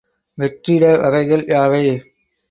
வெற்றிட வகைகள் யாவை?